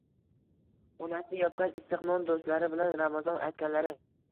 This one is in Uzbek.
onasi yopgan issiq non, do‘stlari bilan ramazon aytganlari